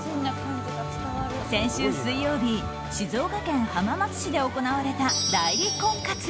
先週水曜日静岡県浜松市で行われた代理婚活。